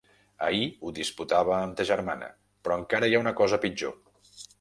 Ahir ho disputava amb ta germana. Però encara hi ha una cosa pitjor.